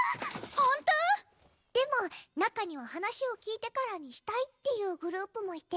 本当⁉でも中には話を聞いてからにしたいっていうグループもいて。